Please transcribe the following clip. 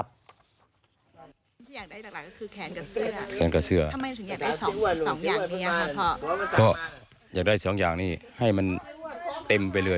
นี่แค่ด้วยหลักหลักนี่มีแขนกับเสื้อ